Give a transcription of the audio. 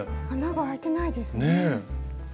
穴があいてないですね。